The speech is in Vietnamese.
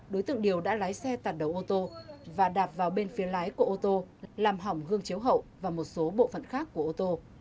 đối tượng điều đã lái xe tạt đầu ô tô và đạp vào bên phía lái của ô tô làm hỏng gương chiếu hậu và một số bộ phận khác của ô tô